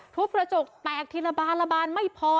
ทุบกระจกแตกทีละบานละบานไม่พอ